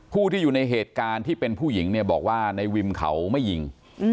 ผู้ที่อยู่ในเหตุการณ์ที่เป็นผู้หญิงเนี่ยบอกว่าในวิมเขาไม่ยิง